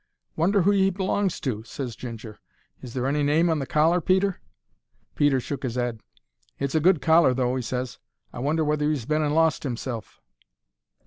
"Wonder who he belongs to?" ses Ginger. "Is there any name on the collar, Peter?" Peter shook his 'ead. "It's a good collar, though," he ses. "I wonder whether he's been and lost 'imself?"